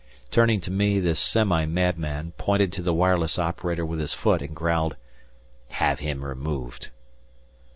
Turning to me, this semi madman pointed to the wireless operator with his foot and growled: "Have him removed."